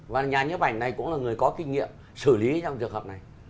và nhà nhấp ảnh này cũng là người có kinh nghiệm xử lý trong trường hợp này